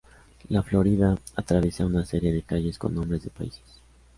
La Florida, atraviesa una serie de calles con nombres de países.